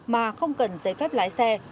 mà không cần giấy phép lái xe